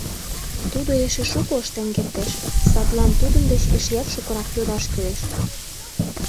Тудо эше шуко ыштен кертеш, садлан тудын деч эшеат шукырак йодаш кӱлеш...